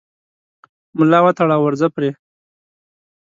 ملا وتړه او ورځه پرې